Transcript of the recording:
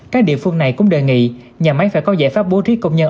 các địa phương này cũng đề nghị nhà máy phải có giải pháp bố trí công nhân